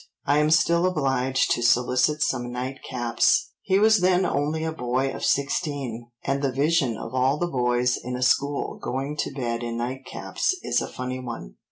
I am still obliged to solicit some night caps." He was then only a boy of sixteen, and the vision of all the boys in a school going to bed in night caps is a funny one.